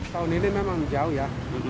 tahun ini memang jauh ya